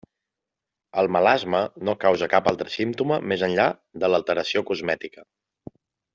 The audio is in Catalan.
El melasma no causa cap altre símptoma més enllà de l'alteració cosmètica.